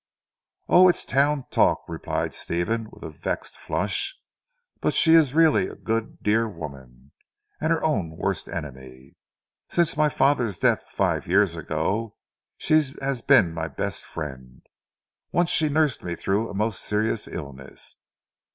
"Oh, it's Town talk," replied Stephen with a vexed flush, "but she is really a good dear woman, and her own worst enemy. Since my father's death five years ago she has been my best friend. Once she nursed me through a most serious illness.